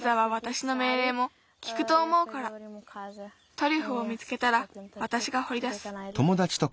トリュフを見つけたらわたしがほりだす。